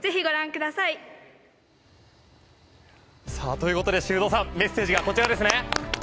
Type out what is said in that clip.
ということで修造さんメッセージがこちらですね。